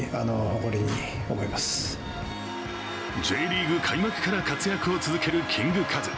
Ｊリーグ開幕から活躍を続けるキングカズ。